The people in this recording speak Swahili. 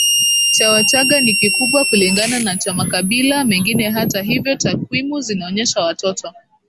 cha Wachagga ni kikubwa kulingana na cha makabila mengine hata hivyo takwimu zinaonyesha watoto